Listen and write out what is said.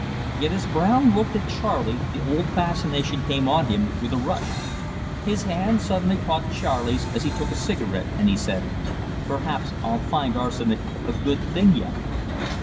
Yet as Brown looked at Charley the old fascination came on him with a rush. His hand suddenly caught Charley's as he took a cigarette, and he said: "Perhaps I'll find arsenic a good thing yet."